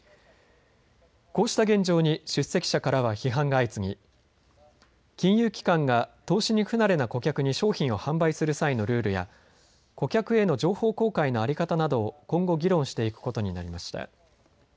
こうした現状に出席者からは批判が相次ぎ金融機関が投資に不慣れな顧客に商品を販売する際のルールや、顧客への情報公開の在り方などを今後、議論していくことになりました。